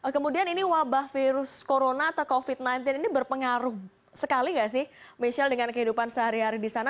kemudian ini wabah virus corona atau covid sembilan belas ini berpengaruh sekali nggak sih michelle dengan kehidupan sehari hari di sana